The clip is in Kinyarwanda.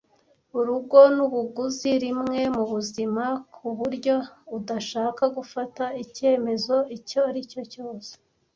Urugo nubuguzi rimwe-mubuzima kuburyo udashaka gufata icyemezo icyo aricyo cyose.